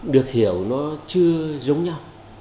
được hiểu nó chưa giống nhau